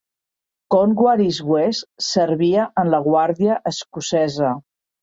Cornwallis-West servia en la Guàrdia Escocesa.